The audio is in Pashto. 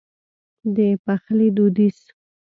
د پخلي دوديز